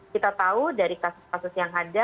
kita tahu dari kasus kasus yang ada